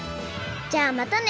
じゃあまたね！